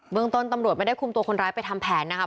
เมืองต้นตำรวจไม่ได้คุมตัวคนร้ายไปทำแผนนะครับ